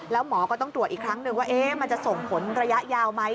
แล้วหมอก็ต้องตรวจอีกครั้งหนึ่งว่ามันจะส่งผลระยะยาวไหม